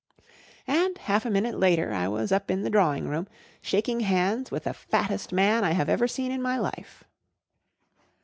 uigmziscroy And half a minute later I was up in the drawing room, shaking hands with the fattest man I have ever seen in my life.